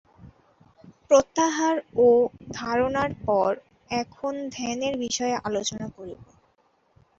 প্রত্যাহার ও ধারণার পর, এখন ধ্যানের বিষয় আলোচনা করিব।